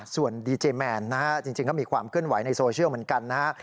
ส่วนดีเจแมนนะฮะจริงก็มีความเคลื่อนไหวในโซเชียลเหมือนกันนะฮะ